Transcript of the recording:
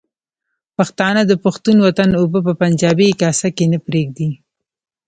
پښتانه د پښتون وطن اوبه په پنجابي کاسه کې نه پرېږدي.